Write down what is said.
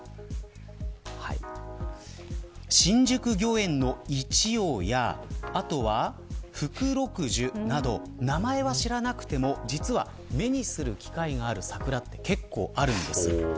新宿御苑のイチヨウやあとは、フクロクジュなど名前は知らなくても実は目にする機会がある桜って結構あるんです。